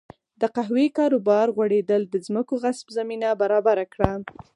د قهوې کاروبار غوړېدل د ځمکو غصب زمینه برابره کړه.